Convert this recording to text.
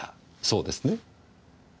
そうですね？